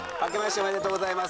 ありがとうございます。